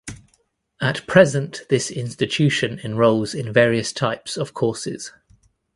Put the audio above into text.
At present this institution enrolls in various types of courses.